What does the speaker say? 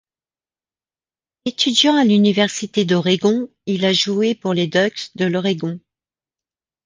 Étudiant à l'Université d'Oregon, il a joué pour les Ducks de l'Oregon.